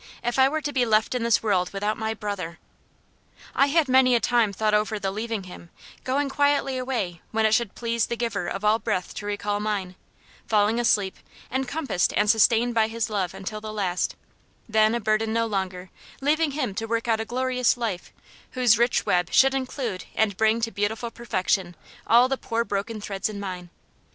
if I were to be left in this world without my brother! I had many a time thought over the leaving him, going quietly away when it should please the Giver of all breath to recall mine, falling asleep, encompassed and sustained by his love until the last; then, a burden no longer, leaving him to work out a glorious life, whose rich web should include and bring to beautiful perfection all the poor broken threads in mine.